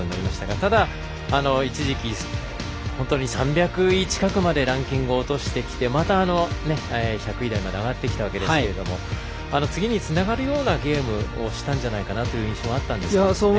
ただ、一時期、本当に３００位近くまでランキングを落としてきてまた、１００位以内にまで上がってきたんですけども次につながるゲームをしたんじゃないかなという印象はあったんですが。